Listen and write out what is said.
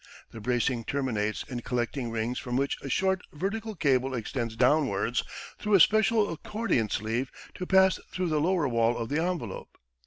The bracing terminates in collecting rings from which a short vertical cable extends downwards through a special accordion sleeve to pass through the lower wall of the envelope.